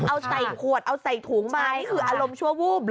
เอาใส่ขวดเอาใส่ถุงมานี่คืออารมณ์ชั่ววูบเหรอ